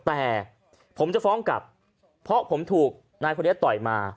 แต่ผมจะฟ้องกลับเพราะผมถูกนายคนนี้ต่อยมา